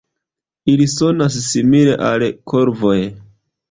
Ili sonas simile al korvoj.